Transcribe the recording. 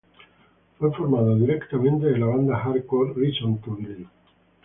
Fue formado directamente de la banda Hardcore ""Reason to Believe"".